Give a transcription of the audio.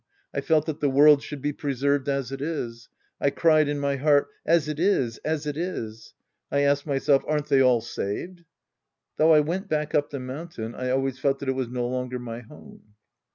I felt that the world should be preserved as it is. I cried in my heart, " As it is, as it is." I asked myself, " Aren't they all saved ?" Though I went back up the mountain, I always felt that it was no longer my home.